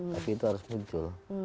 tapi itu harus muncul